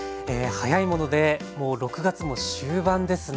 早いものでもう６月も終盤ですね。